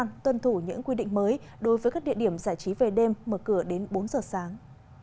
và tuân thủ những quy định mới đối với các địa điểm giải trí về đêm mở cửa đến bốn giờ sáng